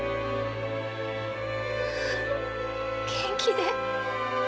元気で。